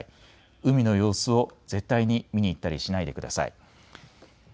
海の様子を絶対に見に行ったりしないでください。